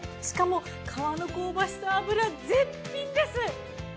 しかも皮の香ばしさ脂絶品です。